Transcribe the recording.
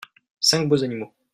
cinq beaux animaux.